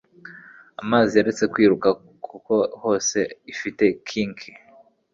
Amazi yaretse kwiruka kuko hose ifite kink